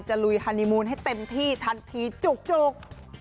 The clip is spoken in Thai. ลุยฮานีมูลให้เต็มที่ทันทีจุก